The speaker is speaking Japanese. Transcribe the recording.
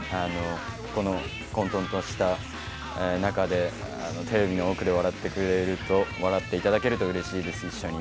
この混とんとした中でテレビの奥で笑ってくれると笑っていただけるとうれしいです、一緒に。